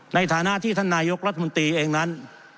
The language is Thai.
ในฐานะที่ท่านนายกรัฐมนตรีเองนั้น